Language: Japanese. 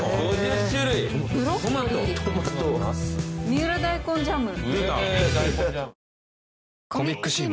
出た三浦大根ジャム。